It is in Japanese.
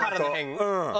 うん。